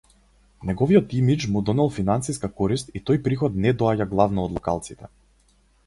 Неговиот имиџ му донел финансиска корист и тој приход не доаѓа главно од локалците.